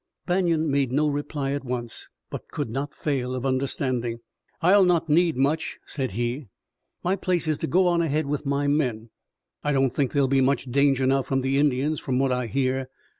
Banion made no reply at once, but could not fail of understanding. "I'll not need much," said he. "My place is to go on ahead with my men. I don't think there'll be much danger now from Indians, from what I hear.